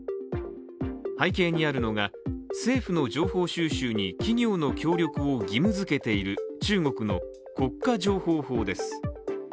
背景にあるのが、政府の情報収集に企業の協力を義務づけている中国の国家情報法です。